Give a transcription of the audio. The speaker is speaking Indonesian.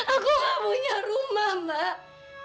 aku gak punya rumah mbak